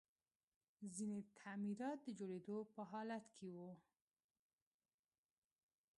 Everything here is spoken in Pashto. ځینې تعمیرات د جوړېدلو په حال کې وو